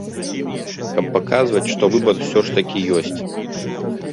Каб паказваць, што выбар усё ж такі ёсць.